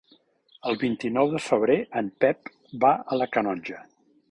El vint-i-nou de febrer en Pep va a la Canonja.